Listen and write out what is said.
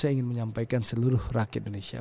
saya ingin menyampaikan seluruh rakyat indonesia